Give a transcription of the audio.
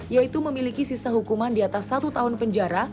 yaitu memiliki sisa hukuman di atas satu tahun penjara